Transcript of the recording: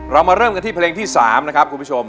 เรามาเริ่มกันที่เพลงที่๓นะครับคุณผู้ชม